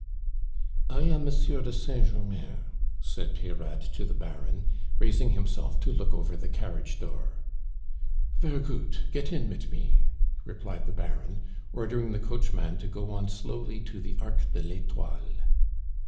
"I am Monsieur de Saint Germain," said Peyrade to the Baron, raising himself to look over the carriage door. "Ver' goot; get in mit me," replied the Baron, ordering the coachman to go on slowly to the Arc de l'Etoile.